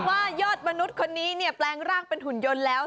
ว่ายอดมนุษย์คนนี้เนี่ยแปลงร่างเป็นหุ่นยนต์แล้ว